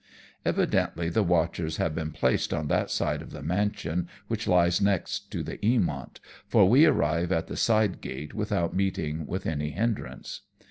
Evidently the watchers have been placed on that side of the mansion which' lies next to the Eamont, for we arrive at the side gate without meeting with any hindrance.